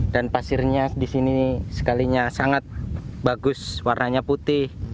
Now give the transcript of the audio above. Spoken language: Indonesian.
dan pasirnya di sini sekalinya sangat bagus warnanya putih